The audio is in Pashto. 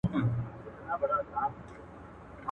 چي ښخ کړی یې پلټن وو د یارانو.